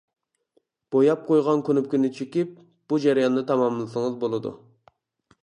بوياپ قويغان كۇنۇپكىنى چېكىپ، بۇ جەرياننى تاماملىسىڭىز بولىدۇ.